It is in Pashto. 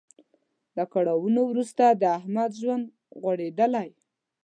له کړاوونو وروسته د احمد ژوند غوړیدلی.